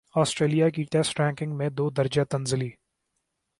Australia کی test ranking میں دو درجہ تنزلی